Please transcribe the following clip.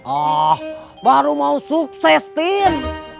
ah baru mau sukses tin